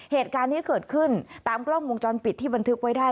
เหตุการณ์ที่เกิดขึ้นตามกล้องวงจรปิดที่บันทึกไว้ได้